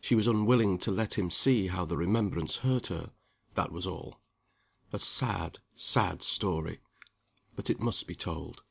She was unwilling to let him see how the remembrance hurt her that was all. A sad, sad story; but it must be told.